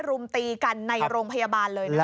รุมตีกันในโรงพยาบาลเลยนะคะ